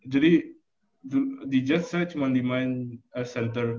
jadi di jets saya cuma di main center